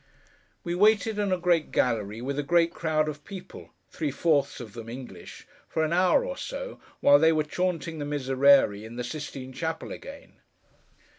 We waited in a great gallery with a great crowd of people (three fourths of them English) for an hour or so, while they were chaunting the Miserere, in the Sistine chapel again.